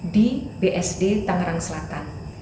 di bsd tangerang selatan